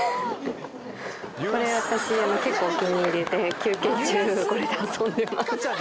「私結構お気に入りで休憩中これで遊んでます」